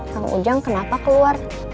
kang ujang kenapa keluar